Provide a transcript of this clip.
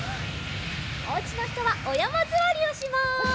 おうちのひとはおやまずわりをします。